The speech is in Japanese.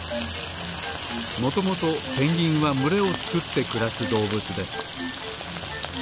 もともとペンギンはむれをつくってくらすどうぶつです。